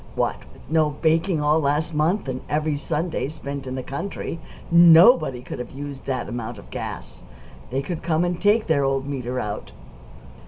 (What with no baking all last month, and every Sunday spent in the country, nobody could have used that amount of gas. They could come and take their old meter out!)